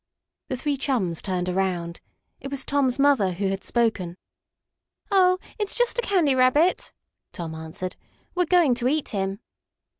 The three chums turned around. It was Tom's mother who had spoken. "Oh, it's just a Candy Rabbit," Tom answered. "We're going to eat him."